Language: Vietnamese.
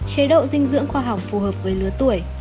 chế độ dinh dưỡng khoa học phù hợp với lứa tuổi